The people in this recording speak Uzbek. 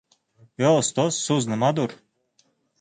— Yo, ustoz, so‘z nimadur?